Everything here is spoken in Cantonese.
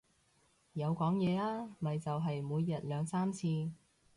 有講嘢啊，咪就係每日兩三次